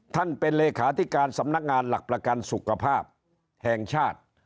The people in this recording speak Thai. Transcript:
ท่านเป็นเลขาธิการสำนักงานหลักประกันสุขภาพแห่งชาติ